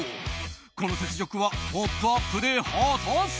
この雪辱は「ポップＵＰ！」で果たす。